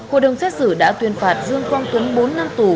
hội đồng xét xử đã tuyên phạt dương quang tuấn bốn năm tù